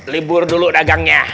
libur dulu dagangnya